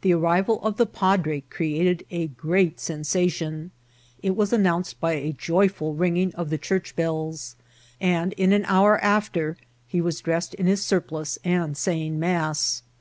The arrival of the padre created a great sensation. It was announced by a joyful ringing of the church bells, and in an hour after he was dressed in his sur A BARBEE IK OFFICB. SS pike and saying maas.